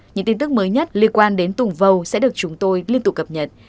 những tin tức mới nhất liên quan đến tùng vầu sẽ được chúng tôi liên tục cập nhật